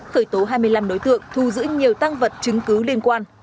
khởi tố hai mươi năm đối tượng thu giữ nhiều tăng vật chứng cứ liên quan